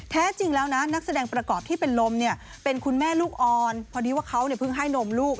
แท้จริงแล้วนะนักแสดงประกอบที่เป็นลมเนี่ยเป็นคุณแม่ลูกอ่อนพอดีว่าเขาเนี่ยเพิ่งให้นมลูก